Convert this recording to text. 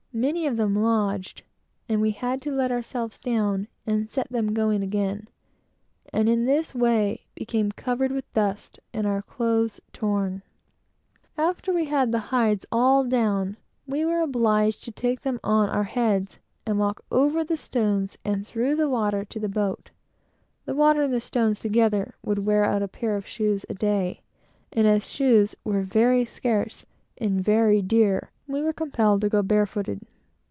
Many of them lodged, and we had to let ourselves down and set them agoing again; and in this way got covered with dust, and our clothes torn. After we had got them all down, we were obliged to take them on our heads, and walk over the stones, and through the water, to the boat. The water and the stones together would wear out a pair of shoes a day, and as shoes were very scarce and very dear, we were compelled to go barefooted.